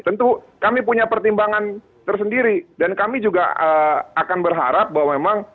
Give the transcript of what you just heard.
tentu kami punya pertimbangan tersendiri dan kami juga akan berharap bahwa memang